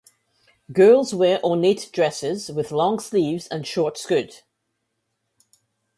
Girls wear ornate dresses with long sleeves and short skirt.